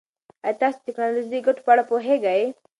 ایا تاسو د ټکنالوژۍ د ګټو په اړه پوهېږئ؟